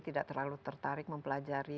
tidak terlalu tertarik mempelajari